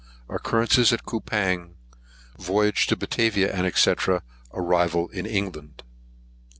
V. OCCURRENCES AT COUPANG; VOYAGE TO BATAVIA, &c. ARRIVAL IN ENGLAND.